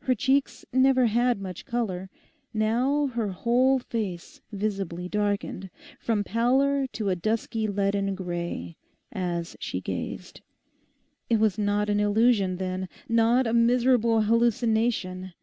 Her cheeks never had much colour; now her whole face visibly darkened, from pallor to a dusky leaden grey, as she gazed. It was not an illusion then; not a miserable hallucination.